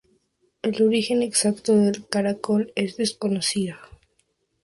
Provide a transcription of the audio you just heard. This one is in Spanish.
El origen exacto del caracol es desconocido.